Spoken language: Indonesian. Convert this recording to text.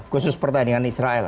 khusus pertandingan israel